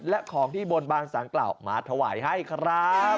และของที่บนบานสารกล่าวมาถวายให้ครับ